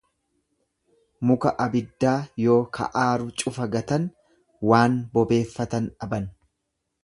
Muka abiddaa yoo ka aaru cufa gatan waan bobeeffatan dhaban.